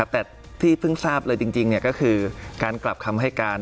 แต่ที่เพิ่งทราบเลยจริงก็คือการกลับคำให้การ